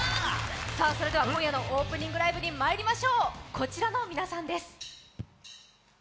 それでは今夜のオープニングライブにまいりましょう、こちらの皆さんです。